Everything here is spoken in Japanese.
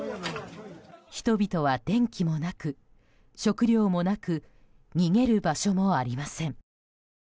人々は電気もなく、食料もなく逃げる場所もありません。